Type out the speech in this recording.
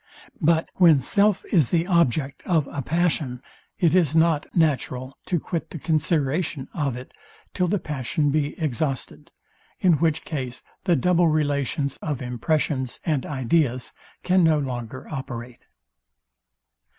But when self is the object of a passion, it is not natural to quit the consideration of it, till the passion be exhausted: in which case the double relations of impressions and ideas can no longer operate.